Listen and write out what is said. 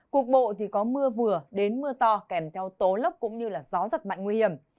cục bộ thì có mưa vừa đến mưa to kèm theo tố lốc cũng như gió giật mạnh nguy hiểm